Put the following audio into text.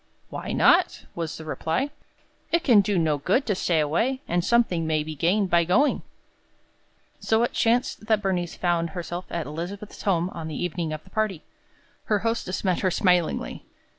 "Why not?" was the reply. "It can do no good to stay away, and something may be gained by going." So it chanced that Bernice found herself at Elizabeth's home on the evening of the party. Her hostess met her smilingly.